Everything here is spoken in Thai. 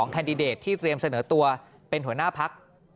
แคนดิเดตที่เตรียมเสนอตัวเป็นหัวหน้าพัก